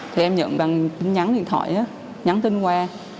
thì em nhận bằng tin nhắn điện thoại nhắn tin qua